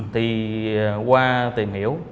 thì qua tìm hiểu